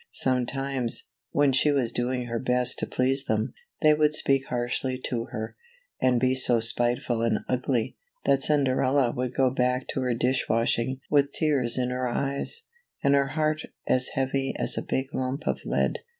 Sometimes, when she was doing her best to please them, they would speak harshly to her, and be so spiteful and ugly, that Cinderella would go back to her dish washing with tears in her eyes, and her heart as heavy as a big lump of lead.